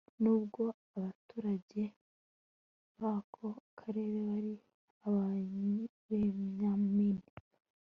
n'ubwo abaturage b'ako karere bari ababenyamini